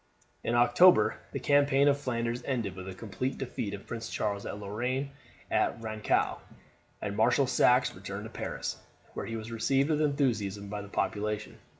In October the campaign of Flanders ended with the complete defeat of Prince Charles of Lorraine at Rancaux, and Marshal Saxe returned to Paris, where he was received with enthusiasm by the population.